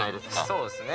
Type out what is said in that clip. そうですね。